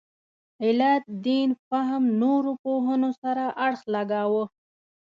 علت دین فهم نورو پوهنو سره اړخ لګاوه.